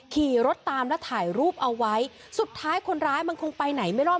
ขี่รถตามและถ่ายรูปเอาไว้สุดท้ายคนร้ายมันคงไปไหนไม่รอด